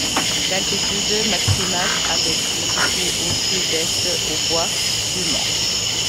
L'altitude maximale avec est située au sud-est, au bois du Mont.